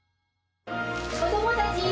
子どもたち！